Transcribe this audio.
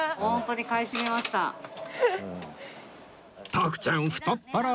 徳ちゃん太っ腹！